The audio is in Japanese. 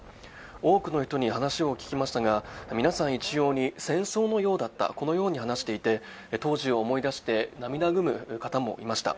多くの人に話を聞きましたが、皆さん一様に戦争のようだったと話していて当時を思い出して、涙ぐむ方もいました。